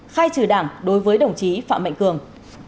khai trừ đảng đối với đồng chí phạm mạnh cường